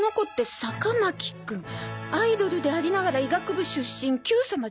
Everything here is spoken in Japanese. アイドルでありながら医学部出身『Ｑさま！！』